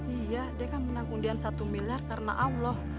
iya dia kan menang undian satu miliar karena allah